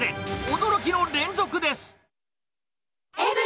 驚きの連続です。